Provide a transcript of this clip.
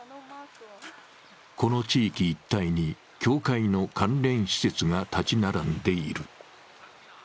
この地域一帯に教会の関連施設が立ち並んでいる。